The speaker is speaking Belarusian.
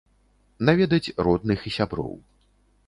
Наведаць родных і сяброў.